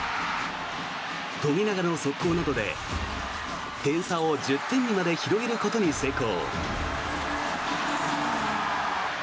富永の速攻などで、点差を１０点にまで広げることに成功。